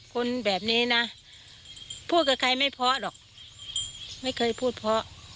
คนแบบนี้นะพูดกับใครไม่เพราะหรอกไม่เคยพูดเพราะ